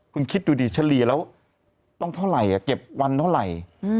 คุณคิดดูดิเฉลี่ยแล้วต้องเท่าไหร่เก็บวันเท่าไหร่